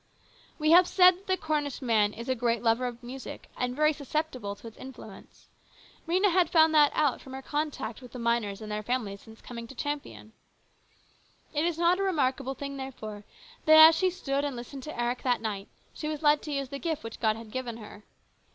We have said that the Cornish man is a great lover of music and very susceptible to its influence. Rhena had found that out from her contact with the miners and their families since coming to Champion. It was not a remarkable thing, therefore, that as she stood and listened to Eric that night she was led to use the gift which God had given her.